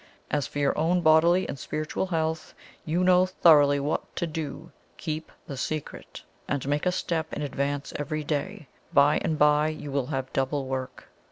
As for your own bodily and spiritual health, you know thoroughly what to do KEEP THE SECRET; and make a step in advance every day. By and by you will have double work."